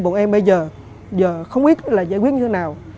bọn em bây giờ không biết là giải quyết như thế nào